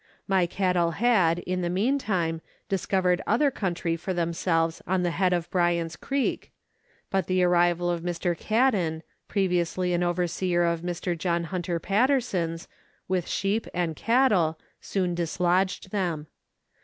My cattle had, in the meantime, discovered other country for themselves on the head of Bryant's Creek, but the arrival of Mr. Cadden, previously an overseer of Mr. John Hunter Patterson's, with sheep and cattle, soon dislodged them.